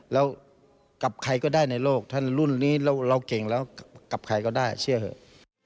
แล้วกับใครก็ได้ในโลกถ้ารุ่นนี้เราเก่งแล้วกับใครก็ได้เชื่อเถอะ